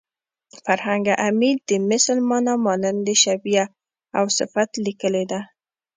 فرهنګ عمید د مثل مانا مانند شبیه او صفت لیکلې ده